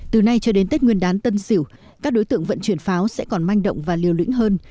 từ nay cho đến tết nguyên đán tân sỉu các đối tượng vận chuyển pháo sẽ còn manh động và liều lĩnh hơn